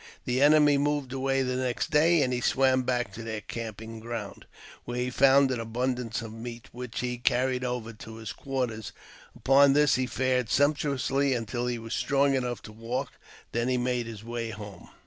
The enemy moved away the next day, and he swam back to their camping ground, where he found an abundance of meat, which he carried over to his quarters ; upon this he fared sumptuously until he was strong enough to walk ; then he made his way home.